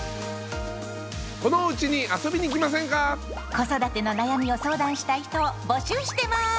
子育ての悩みを相談したい人を募集してます！